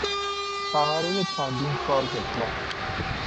ثمرهی چندین سال غفلت